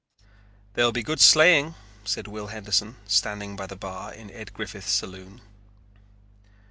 "There will be good sleighing," said Will Henderson, standing by the bar in Ed Griffith's saloon.